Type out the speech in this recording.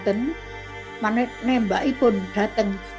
tempat yang saya menikah itu sudah datang